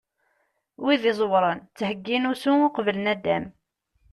Wid iẓewren ttheggin usu uqbel naddam.